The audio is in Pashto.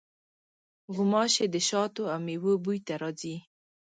غوماشې د شاتو او میوو بوی ته راځي.